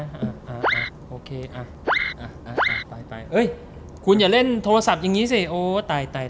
อ่ะอ่ะโอเคเอ้ยคุณอย่าเล่นโทรศัพท์อย่างนี้สิโหตายตาย